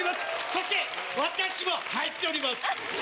そして私も入っております！